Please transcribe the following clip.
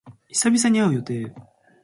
久々に会う予定。